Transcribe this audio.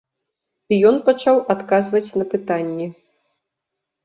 І ён пачаў адказваць на пытанні.